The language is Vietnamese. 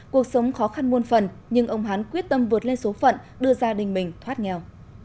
cuộc sống khó khăn muôn phần nhưng ông hán quyết tâm vượt lên số phận đưa gia đình mình thoát nghèo